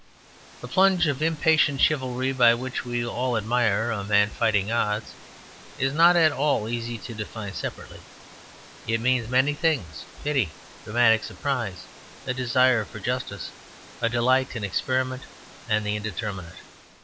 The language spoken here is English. The plunge of impatient chivalry by which we all admire a man fighting odds is not at all easy to define separately, it means many things, pity, dramatic surprise, a desire for justice, a delight in experiment and the indeterminate.